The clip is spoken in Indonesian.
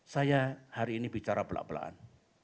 saya hari ini bicara pelan pelan